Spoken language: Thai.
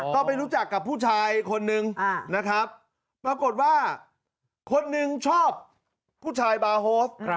ก็ไปรู้จักกับผู้ชายคนนึงนะครับปรากฏว่าคนหนึ่งชอบผู้ชายบาร์โฮฟ